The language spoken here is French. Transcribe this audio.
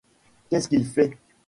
Qu’est-ce qu’il fait ?